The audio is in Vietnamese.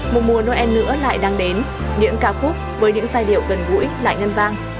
một mùa noel nữa lại đang đến những ca khúc với những giai điệu gần gũi lại ngân vang